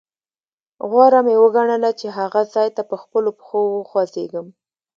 غوره مې وګڼله چې هغه ځاې ته په خپلو پښو وخوځېږم.